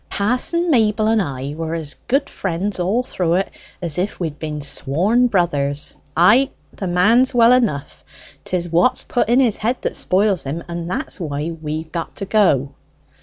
"Pa'son Mayble and I were as good friends all through it as if we'd been sworn brothers. Ay, the man's well enough; 'tis what's put in his head that spoils him, and that's why we've got to go."